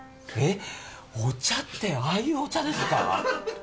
お茶ってああいうお茶ですか？